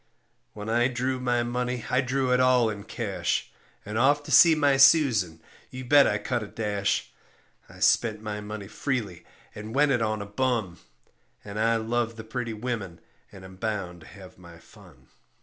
When I drew my money I drew it all in cash And off to see my Susan, you bet I cut a dash; I spent my money freely and went it on a bum, And I love the pretty women and am bound to have my fun.